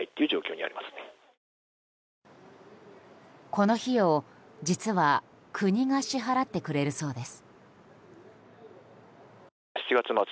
この費用、実は国が支払ってくれるそうです。